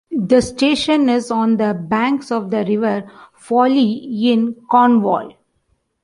The station is on the banks of the River Fowey in Cornwall.